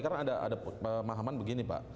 karena ada pemahaman begini pak